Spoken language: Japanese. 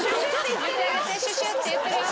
シュシュって言ってるよ。